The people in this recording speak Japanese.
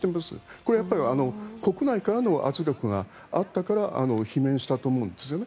これは国内からの圧力があったから罷免したと思うんですよね。